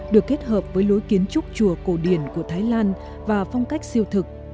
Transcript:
được kết hợp với lối kiến trúc chùa cổ điển của thái lan và phong cách siêu thực